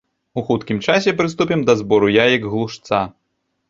У хуткім часе прыступім да збору яек глушца.